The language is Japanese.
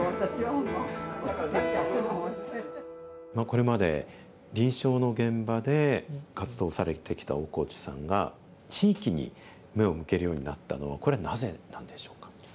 これまで臨床の現場で活動されてきた大河内さんが地域に目を向けるようになったのはこれなぜなんでしょうか？